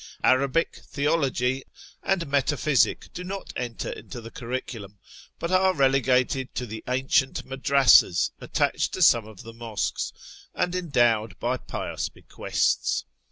Arabic, Theology, and Meta pliysic do not enter into the curriculum, but are relegated to the ancient madrasas attached to some of the mosques and endowed by pious bequests.